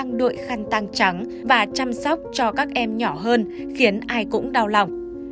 nên tăng trắng và chăm sóc cho các em nhỏ hơn khiến ai cũng đau lòng